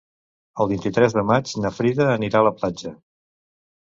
El vint-i-tres de maig na Frida anirà a la platja.